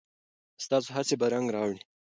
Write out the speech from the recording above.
ستاسو هڅې به رنګ راوړي.